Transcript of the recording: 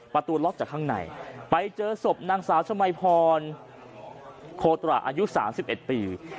ประตูล็อกจากข้างในไปเจอศพนางสาวชมัยพรโคตระอายุ๓๑ปี